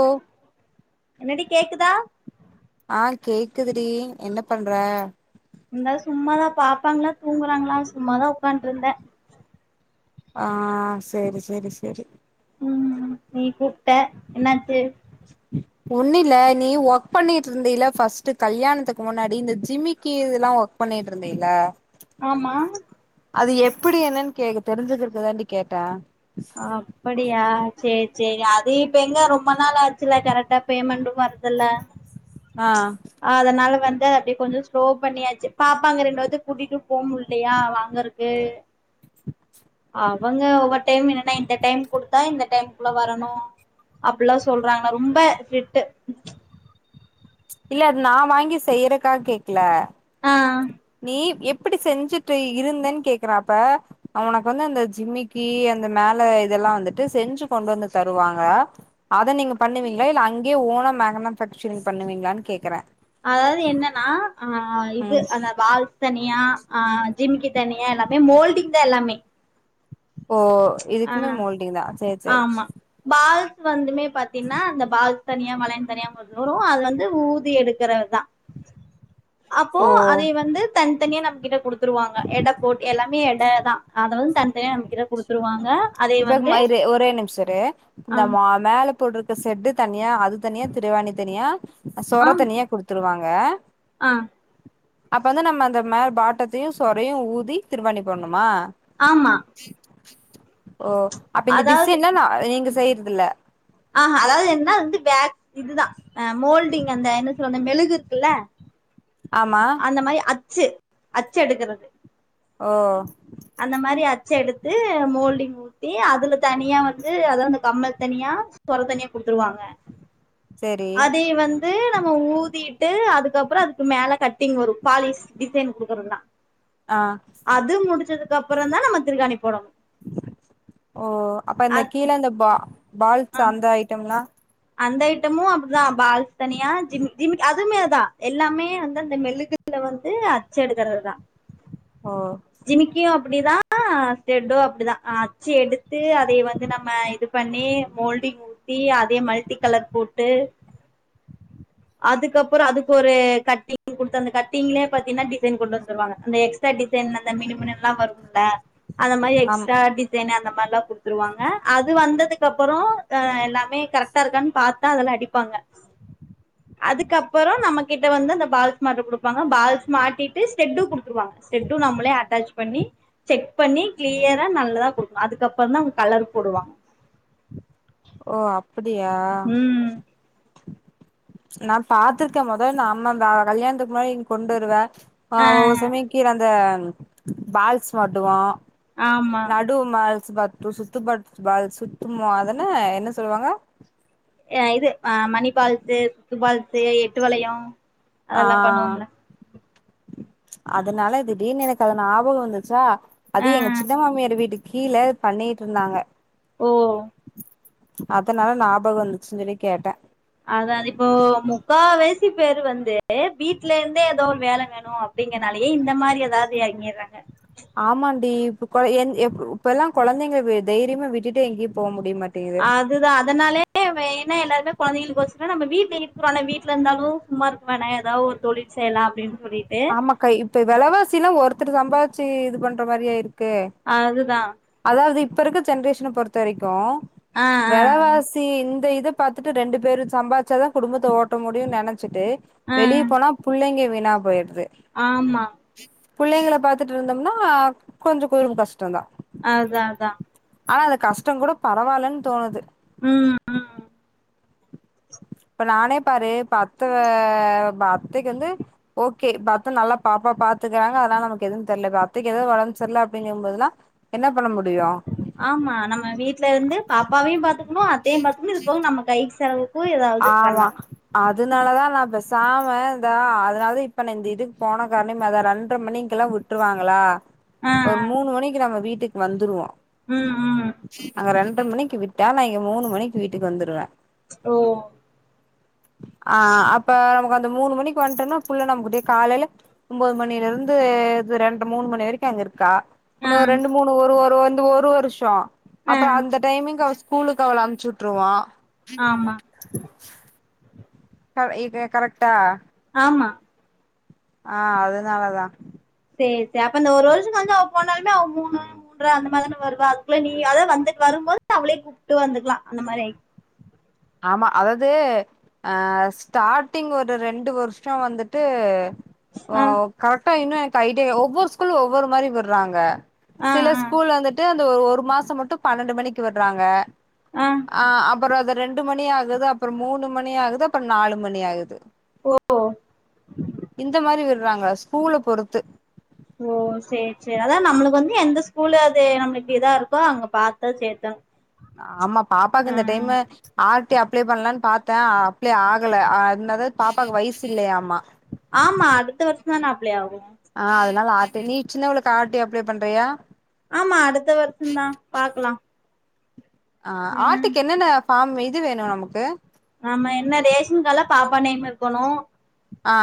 ஓ என்னடி கேக்குதா ஹ கேக்குதுடி என்ன பண்ற இந்தா சும்மாதா பாப்பாங்களா தூங்கறாங்களா சும்மாதா உக்காண்ட்டு ருந்தே ஹ செரி செரி செரி ம் நீ கூப்ட்ட என்னாச்சு ஒண்ணு இல்ல நீ ஒர்க் பண்ணிட்டு இருந்தல ஃபர்ஸ்ட் கல்யாணத்துக்கு முன்னாடி இந்த ஜிம்மிக்கு இதெல்லா ஒர்க் பண்ணிட்டு இருந்தீல்ல ஆமா அது எப்புடி என்னன்னு கேக்க தெரிஞ்சிக்கிறதுக்கு தான்டி கேட்டே அப்படியா சேரி சேரி அது இப்ப எங்க ரொம்ப நாள் ஆச்சுல கரெக்டா பேமெண்டு வரதில்ல ஆ அதனால வந்து அப்டி கொஞ்ச ஸ்லோ பண்ணியாச்சு பாப்பாங்க ரெண்டு பேத்தய கூட்டிட்டு போ முல்லையா வாங்கறக்கு அவங்க ஒவ்வொரு டைம் என்னன்னா இந்த டைம் குடுத்தா இந்த டைமுக்குள்ள வரணு அப்பில்லா சொல்றாங்க ரொம்ப ஸ்ரிட்டு இல்ல அது நா வாங்கி செய்யறக்காக கேக்கல ஆ நீ இப் ப்படி செஞ்சுட்டு இருந்தேன்னு கேக்குறப்ப அது உனக்கு வந்து அந்த ஜிமிக்கி அந்த மேல இதெல்லா வந்துட்டு செஞ்சு கொண்டு வந்து தருவாங்க அத நீங்க பண்ணுவீங்களா இல்ல அங்கே ஓனா மேனுஃபேக்சரிங் பண்ணுவீங்களான்னு கேக்கறே அதாவது என்னன்னா ஆ இது ம் அந்த வால் தனியா ஆ ஜிமிக்கி தனியா எல்லாமே மோல்டிங் தா எல்லாமே ஓ ஆ இதுக்குமே மோல்டிங் தா சேரி சேரி ஆமா பால்ஸ் வந்துமே பாத்தீங்கன்னா இந்த பால் தனியா வளையம் தனியா வந்துரு அது வந்து ஊதி எடுக்கறது தா அப்போ ஓ அதை வந்து தனி தனியே நம்மகிட்ட குடுத்துருவாங்க எட போட் எல்லாமே எடை தா அதை வந்து தனி தனியா நம்ம கிட்ட குடுத்துருவாங்க அ இப்பம இரு ஒரே நிமிஷ இரு ஆ இந்த மேல போட்டுருக்க செட்டு தனியா அது தனியா திருவாணி தனியா சொர ஆம் தனியா குடுத்துருவாங்க ஆ அப்ப வந்து நம்ம அந்த மேல பாட்டத்தையு சொறையு ஊதி திருவாணி போட்ணுமா ஆமா ஓ அப்ப இந்த அதாவது டிஸைன்லா நா நீங்க செய்யறதுல்ல ஆஹ அதாவது என்னா வந்து வேக்ஸ் இதுதா அ மோல்டிங் அந்த என்ன சொல்ல மெழுகு இருக்குல்ல ஆமா அந்த மாரி அச்சு அச்சு எடுக்குறது ஓ அந்த மாரி அச்ச எடுத்து மோல்டிங் ஊ த்தி அதுல தனியா வந்து அதாவது கம்மல் தனியா சொர தனியா குடுத்துருவாங்க சேரி அதையு வந்து நம்ம ஊதிட்டு அதுக்கப்பற அதுக்கு மேல கட் ட்டிங் வரு பாலிஷ் டிசைன் குடுக்குறதுதா ஆ அது முடிஞ்சதுக்கு அப்பறந்தா நம்ம திருவாணி போடணு ஓ அப்ப இந்த அத் கீழ இந்த பா பால்ஸ் ஆ அந்த ஐட்டம்லா அந்த ஐட்டமு அப்படிதா பால்ஸ் தனியா ஜிம் ஜி அதுவுமே அதா எல்லாமே வந்து அந்த மெழுகு வந்து அச்சு எடுக்கறது தா ஓ ஜிமிக்கியு அப்படி தா ஸ்டெட்டு அப்டிதா அச்சு எடுத்து அதை வந்து நம்ம இது பண்ணி மோல்டிங் ஊத்தி அதே மல்ட்டி கலர் போட்டு அதுக்கப்பறோ அதுக்கு ஒரு கட்டிங் குடுத்து அந்த கட்டிங்லே பாத்தீங்கன்னா டிசைன் கொண்டு வந்துருவாங்க அந்த எக்ஸ் ட்டா டிசைன் அந்த மினுமினுலா வரும்ல அத மாறி ஆம் எக்ஸ்ட்ரா டிசைன் அந்த மாறி எல்லா குடுத்துருவாங்க அது வந்ததுக் க்கப்பறோ அ எல்லாமே கரெக்டா இருக்கான்னு பாத்தா அதுலா அடிப்பாங்க அதுக்கப்பறோ நம்ம கிட்ட வந்து அந்த பால்ஸ் மாட்ட குடுப்பாங்க பால்ஸ் மாட்டிட்டு ஸ்டெட்டு குடுத்துருவாங்க ஸ்டெட்டு நம்மளே அட்டாச் பண்ணி செக் பண்ணி கிளியரா நல்லதா குடுக்கணு அதுக்கப்புறந்தா அவங்க கலர் போடுவாங்க ஓ அப்படியா ம் நா பாத்துருக்கே மொத நா நம்ம கல்யாணத்துக்கு முன்னாடி இங் கொண்டு வருவ ஆ ஒவ்வொரு சமய கீழ அந்த பால்ஸ் மாட்டுவோ ஆமா ட்டும் பால்ஸ் பா சுத்து ப பால்ஸ் சுத்தும் அதென்ன என்ன சொல்லுவாங்க ஆ இது ஆ மணி பால்ஸு சுத்து பால்ஸு எட்டு வளைய ஆ அதனால திடீர்னு எனக்கு அது ஞாபக வந்துச்சா ஆ அது எங்க சின்ன மாமியார் வீட்டுக் கீழ பண்ணிட்ருந்தாங்க ஓ அதனால ஞாபக வந்துச்சு சொல்லி கேட்ட அதா அது இப்போ முக்கா வாசி பேரு வந்து வீட்ல இருந்தே ஏதோ ஒரு வேல வரு அப்படிங்கறனாலயே இந்த மாரி எதாவது எறங்கிர்றாங்க ஆமாண்டி இப் கொ எ இப்ப எல்லா கொழந்தைங்க தைரியமா விட்டுட்டு எங்கயு போக முடிய மாட் ஆ அதுதா அதனாலே மெய்னா எல்லாருமே கொழந்தைகளுக்கொசர நம்ம வீட்ல இருக்கறோல வீட்ல இருந்தாலு சும்மா இரு க்க வேணா எதா ஒரு தொழில் செய்யலா அப்டின் சொல்லிட்டு க இப்ப வெலைவாசில்லா ஒருத்தர் சம்பாதிச்சு இது பண்ற மாரியா இருக்கு அதுதா அதாவது இப்ப இருக்க ஜென்ரேஷன பொறுத்த வரைக்கு ஆ ஆ வெலவாசி இந்த இது பாத்துட்டு ரெண்டு பேரு சம்பாதிச்சாதா குடும்பத்த ஓட்ட முடியுன் நெனைச்சிட்டு ஆ வெளிய போனா புள்ளைங்க வீணா போயிடுது ஆமா புள்ளைங்கள பாத்துட்டு இருந்தம்னா கொஞ்ச குடும்ப கஷ்டந்தா அதா அதா ஆனா அந்த கஷ்டங்கூட பரவாலன் தோணுது ம் இப்ப நானே பாரு இப்ப அத்த அத்தைக்கு வந்து ஓகே இப்ப அத்த நல்லா பாப்பா பாத்துக்கறாங்க அதனால நமக்கு எது தெர்ல இப்ப அத்தைக்கு எதாது ஒடம்பு சரில்ல அப்டிங்கும் போதுல்லா என்ன பண்ண முடியு ஆமா நம்ம வீட்ல இருந்து பாப்பாவையு பாத்துக்கணு அத்தையு பாத்துக்கணு இது போக நம்ம கைக்கு செலவு ஆமா அதுனாலதா நா பேசாம இந்த அதனாலத இப்ப நா இந்த இதுக்கு போன காரணமே அதா ரெண்டரை மணிக்கெல்லா உட் ருவாங்களா ஆ ஆ ஒரு மூணு மணிக்கு நம்ம வீட்டுக்கு வந்துருவோ ம் ம் அங்க ரெண்ட்ர மணிக்கு விட்டா நா இங்க மூணு மணிக்கு வீட்டுக்கு வந்துருவ ஓ ஆ அப்ப நமக்கு அந்த மூணு மணிக்கு வன்ட்டனா புள்ள நம்மக்குடிய காலைல ஒம்போது மணில இருந்து இது ரெண்டு மூணு மணி வரைக்கு அங்க இருக்கா ஆ இன்ன ரெண்டு மூணு ஒரு ஒரு இந்த ஒரு வருஷ ஆ அப்பற அந்த டைமிங்க்கு அவ ஸ்கூலுக்கு அவள அனுப்ச்சுட்ருவோ ஆமா அ இ கரெக்டா ஆமா ஆ அதுனாலதா சேர் சேரி அப்ப இந்த ஒரு வருஷ கழிச்சு அவ போனாலுமே அவ மூணு மூன்ற அந்த மாரிதான வருவா அதுக்குள்ள நீ அதா வந்துட் வரும்போது அவளையு கூப்ட்டு வந்துக்லா அந்த மாரி ஆமா அதாது அ ஸ்டார்டிங் ஒரு ரெண்டு வருஷம் வந்துட்டு ஓ ஆ கரெக்டா இன்னும் எனக்கு ஐடியா ஒவ்வொரு ஸ்கூல்லு ஒவ்வொரு மாரி விட்றாங்க ஆ சில ஆ ஸ்கூல் வந்துட்டு அந்த ஒரு மாசம் மட்டும் பன்னெண்டு மணிக்கு விட்றாங்க ஆ அ அப்புற அது ரெண்டு மணி ஆகுது அப்பற மூணு மணி ஆகுது அப்ற நாலு மணி ஆகுது இந்த மாரி விட்றாங்க ஸ்கூல்ல பொறுத்து ஓ சேர் செர் அதா நம்மளுக்கு வந்து எந்த ஸ்கூலு அது நம்மளுக்கு இதா இருக்கோ அங்க பாத்து சேத்த ஆமா பாப்பாக்கு இந்த டைம்மு ஆர்ட்டி அப்ளை பண்ணலான் பாத்தேன் அப்ளை ஆகல அன்னது பாப்பாவுக்கு வயசு இல்லையாம்மா ஆமா அடுத்த வருஷம் தான அப்ளே ஆகும் ஆ அதனால ஆட்டி நீ ஜின்னவளுக்கு ஆர்ட்டி அப்ளை பண்றியா ஆமா அடுத்த வருஷம் தா பாக்லாம் ஆ ஆட்டிக்கு என்னென்ன பாஃம் இது வேணும் நம்மக்கு ஆம என்ன ரேஷன் காட்லா பாப்பா நேமு இருக்கணும் ஆ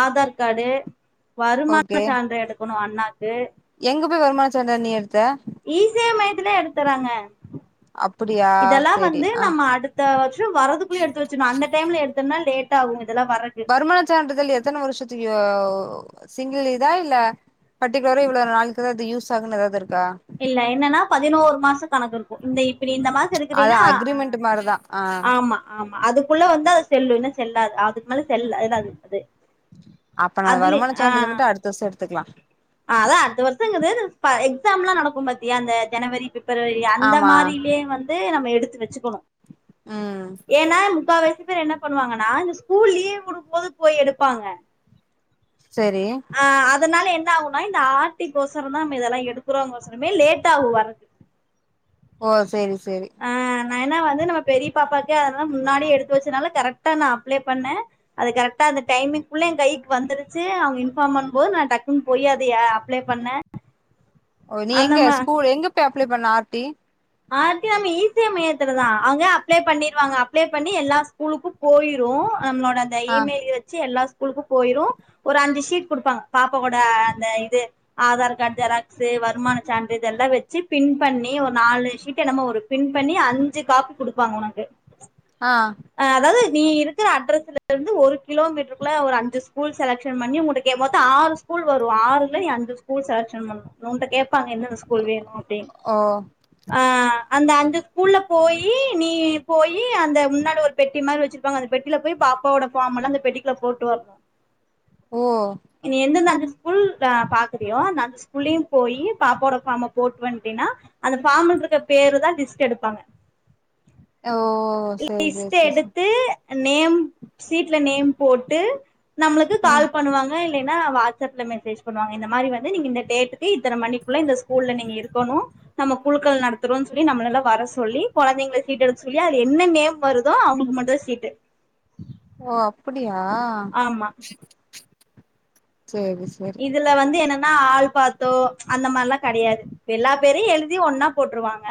ஆதார் காடு வருமான ஓகே சான்று எடுக்கனோ அண்ணாக்கு எங்க போய் வருமான சான்று நீ எடுத்த ஈசேவ மையத்துல எடுத்துறாங்க அப்டியா இதெல்லாம் சேரி வந்து ஆ நம்ம அடு இத வந்து வரதுக்குள்ளே எடுத்து வச்சனோ அந்த டைம்ல எடுத்தனா லேட்டாகும் இதெல்லா வறதுக் வருமானச்சான்றுதல் எத்தன வருஷத்துக்கு யோ சிங்கிள் இதா இல்ல பர்டிகுலரா இவ்ளோ நாளுக்கு தா யூஸ் ஆகுனு ஏதாது இருக்கா இல்ல என்னன்னா பதினோரு மாச கணக்கு இருக்கும் இந்த இப்பிடி இந்த மாச எடுக்குறீன்னா அ அதா அ ஆமா ஆமா அதுக்குள்ள வந்து அது செல்லு இன்னா செல்லா அதுக்கு மேல செல் இதாது அது அப்ப நா அதுலயே வருமான ஆ சான்றுதல் மட்டு அடுத்த வருஷ எடுத்துக்கலா அதா அடுத்த வருஷம்ங்கது எக்ஸாம் எல்லா நடக்கும் பத்தியா அந்த ஜனவரி பிப் பரி அந்த ஆமா மாதிரிலயே வந்து நம்ம எடுத்து வச்சுக்கணும் ம் ஏனா முக்காவசி பேர் என்ன பண்ணுவாங்கன்னா இந்த ஸ்கூல் லீவ் விடும் போது போய் எடுப்பாங்க சேரி ஆ அதனால என்னா ஆகுனா இந்த ஆட்டிக்கோசரமா நம்ம இதெல்லா எடுக்குறோம்ங்கசரமே லேட்டாகும் வரது ஓ சேரி சேரி அ நா என்ன வந்து நம்ம பெரிய பாப்பாக்கு அதெல்லா முன்னாடி எடுத்து வச்சனால கரெக்ட்டா நா அப்ளை பண்ண அது கரெக்ட்டா அந்த டைமிள்ள என் கைக்கு வந்துருச்சு அவங்க இன்ஃபார்ம் பண்னும்போது நா டக்குன் பொய் யதயா அப்ளே பண்ண ஓ நீ எங்க ஸ்கூல் எங்க போய் அப்ளே பண்ண ஆர்டி ஆர் டி நம்ம ஈ சே மையத்துல தான் அங்க அப்ளே பண்ணிருவாங்க அப்ளே பண்ணி எல்லா ஸ்கூலுக்கும் போயிரும் நம்மோட அந்த இ ஆ மெயில் வச்சு எல்லா ஸ்கூல்க்கு போயிரும் ஒரு அஞ்சு ஷீட் குடுப்பாங்க பாப்பா கொட அந்த இது ஆதார் கார்டு ஜெராக்ஸ் வருமான சான்று இதெல்லா வச்சு பின் பண்ணி ஒரு நாலு ஷீட் என்னமோ ஒரு பின் பண்ணி அஞ்சு காப்பி குடுப்பாங்க ஒனக்கு ஆ அ அதாது நீ இருக்கற அட்ரஸ்ல இருந்து ஒரு கிலோமீட்டருக்குள்ள ஒரு அஞ்சு ஸ்கூல் செலக்க்ஷன் பண்ணி ஓன்ட கே மொத்த ஆறு ஸ்கூல் வரும் ஆறுல அஞ்சு ஸ்கூல் செலக்க்ஷன் பண்ணும் ஓன்ட கே ப்பாங்க எந்த த ஸ்கூல் வேணும் அப்டீன் ஓ அ அந்த அஞ்சு ஸ்கூல்ல போயி நீ போயி அந்த முன்னா உள்ள ஒரு பெட்டி மாறி வச்சிருப்பாங்க அந்த பெட்டியில போயி பாப்பாவோட ஃபாம் எல்லா அந்த பெட்டிகுள்ள போட்டு வர்ணு ஓ நீ எந்தந்த அந்த ஸ்கூல் அ பாக்குறியோ அந்த உள்ளயு போயி பாப்பாவோட ஃபார்ம போட்டு வன்ட்டீனா அந்த ஃபார்ம்ல இருக்க பேர தா லிஸ்ட் எடுப்பாங்க ஓ சேரி சேரி லிஸ்ட் சேரி சேரி எடுத்து நேம் சீட்ல நேம் போட்டு நம்மளுக்கு ம் கால் பண்ணுவாங்க இல்லைன்னா வாட்ஸ்அப்ல மெசேஜ் பண்ணுவாங்க இந்த மாறி வந்து நீங்க இந்த டேட்டுக்கு இத்தனை மணிக்குள்ள இந்த ஸ்கூல்ல நீங்க இருக்கணு நம்ம குழுக்கள் நடத்துறோம்னு சொல்லி நம்மள எல்லா வர சொல்லி குழந்தைங்களை சீட் எடுக்க சொல்லி அதுல என்ன நேம் வருதோ அவங்களுக்கு மட்டுந்தா சீட்டு ஓ அப்படியா ஆமா சேரி சேரி இதுல வந்து என்னன்னா ஆள் பாத்தோ அந்த மாறில்லா கெடையாது எல்லாத் பேரயு எழுதி ஒன்னா போட்ருவாங்க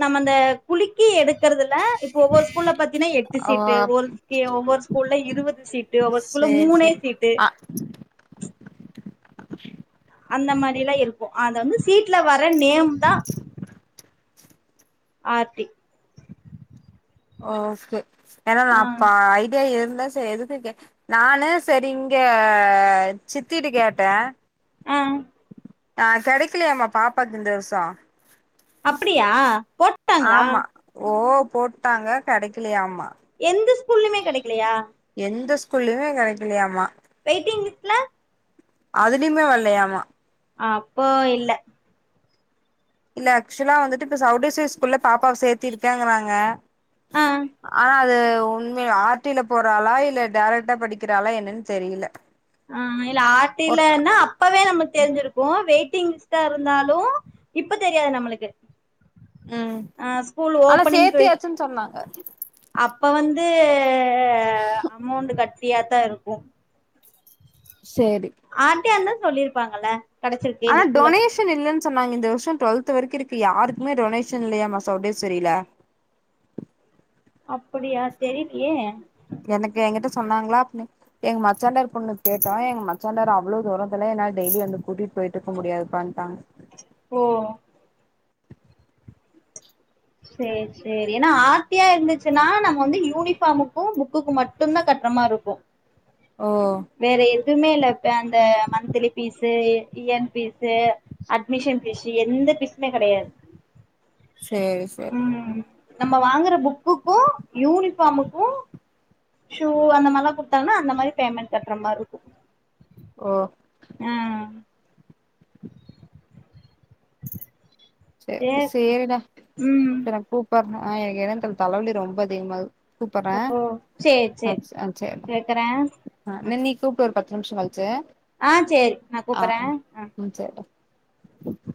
நம்ம இந்த குளிக்கி எடுக்கறதுல இப்ப ஒவ்வொரு ஸ்கூல்ல பாத்தீன்னா எட்டு ஓ சீட்டு ஒரு டு ஒவ்வொரு ஸ்கூல்ல இருவது சீட்டு ஒவ்வொரு ஸ்கூல்ல சேரி மூனே சேரி சீட்டு அ அந்த மாறி எல்லா இருக்கும் அ அந்த வந்து சீட்ல வர நேம் தா ஆர்த்தி ஓக்கே ஏன்னா நா ஆ அப்ப ஐடியா இருந்தே சேரி எதுக் கு நானு சேரி இங்க சித்திட்ட கேட்டே ம் ஆ கெடைக்கிலையாம்மா பாப்பாக்கு இந்த வருஷம் அப்பிடியா போட்டாங்ளா ஆமா ஓ போட்டாங்க கெடைக்கிலையாமா எந்த ஸ்கூல்லயுமே கெடைக்கிலையா எந்த ஸ்கூல்லயுமே கெடைக்கிலையாமா வெய்ட்டிங் லிஸ்ட்ல அதுலயுமே வல்லையாமா அப்போ இல்ல இல்ல ஆக்சுவலா வந்துட்டு இப்ப செளடேஸ்வரி ஸ்கூல்ல பாப்பாவ சேத்தியிருக்கேங்கறாங்க ஆ ஆனா அது உண்மையா ஆர் டி ல போட்றாளா இல்ல டைரக்ட்டா படிக்கிறாளா என்னன்னு தெரியில அ இல்ல ஆர் டி லனா அப்பவே நமக்கு தெரிஞ்சிருக்கு வெயிட்டிங் லிஸ்ட்டா இருந்தாலு இப்ப தெரியாது நம்மளுக்கு ம் அ ஸ்கூல் ஆனா ஓப்பனிங்கு வெயிட் சேத்தியாச்சுன்னு சொன்னாங்க அப்ப வந்து அமௌண்ட் கட்டியாத்தா இருக்கும் சேரி ஆர் டி யா இருந்தா சொல்லியிருப்பாங்கல்ல ஆனா டொனேஸ் ஷன் இல்லன்னு சொன்னாங்க இந்த வருஷோ டுவல்த் வரைக்கு இருக்கு யாருக்குமே டொனேஷன் இல்லையாமா செளடேஸ்வரில அப்படியா தெரியலையே எனக்கு என்கிட்ட சொன்னாங்ளா அப்பனே எங்க மச்சான்ண்டார் பொண்ணுக்கு கேட்டா எங்க மச்சாண்டார் அவ்ளோ தூரத்துல எல்லா என்னால டெய்லியு வந்து கூட்டிட்டு போயிட்டு இருக்க முடியாதுப்பான்டாங்க ஓ சரி சரி ஏன்னா ஆர் தி யா இருந்துச்சுன்னா நம்ம வந்து யூனிஃபார்முக்கு புக்குக்கு மட் டும்தா கட்றமாரி இருக்கு ஓ வேற எதுவுமே இல்ல இப்ப அந்த monthly fees year fees admission fees எந்த பீஸ்மே கெடையாது சேரி சேரி ம் நம்ம வாங்குற புக்குக்கு யூனிபார்முக்கு ஷூ அந்த மாரிலா குடுத்தாங்கன்னா அந்த மாரி பேமெண்ட் கட்ற மாரியிருக்கு ஓ ம் செர் சேர் சேரிடா ம் வக்கிறே கூப்பர்றே எனக்கு என்னானு தெர்ல தலைவலி ரொம்ப அதிகமா இருக்கு கூப்பர்றே சேர் சேர் வெக்கறே அ நின் நீ கூப்பிடு ஒரு பத்து நிமிஷோ கழிச்சு ஆ சரி நா கூப்பட்றே ஆ சரிடா கூப்டு